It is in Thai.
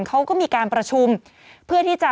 เขาก็มีการประชุมเพื่อที่จะ